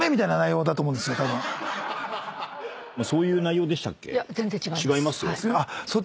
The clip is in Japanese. そういう内容でしたっけ？